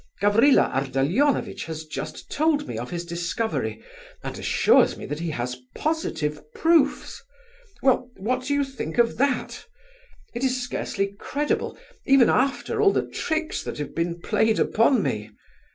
Gavrila Ardalionovitch has just told me of his discovery, and assures me that he has positive proofs. Well, what do you think of that? It is scarcely credible, even after all the tricks that have been played upon me.